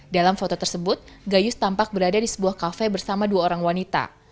dalam foto tersebut gayus tampak berada di sebuah kafe bersama dua orang wanita